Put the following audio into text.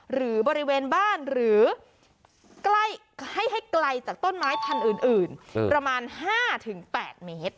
หรือบริเวณบ้านหรือใกล้ให้ไกลจากต้นไม้พันธุ์อื่นประมาณ๕๘เมตร